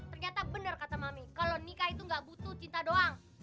ternyata benar kata mami kalau nikah itu gak butuh cinta doang